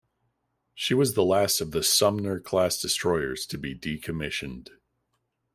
She was the last of the "Sumner" class destroyers to be decommissioned.